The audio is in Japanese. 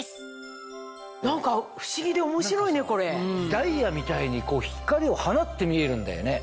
ダイヤみたいに光を放って見えるんだよね。